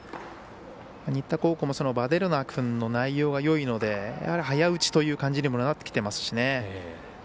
新田高校のヴァデルナ君の内容がよいので早打ちという感じにもなってきてますしね。